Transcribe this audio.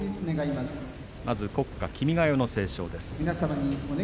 まず国歌「君が代」の斉唱です。